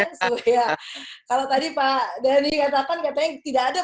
kalau tadi pak dhani katakan katanya tidak ada presiden yang dianggap